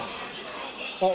あっ。